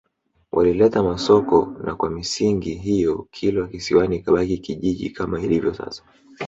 Walileta Masoko na kwa misingi hiyo Kilwa Kisiwani ikabaki kijiji kama ilivyo sasa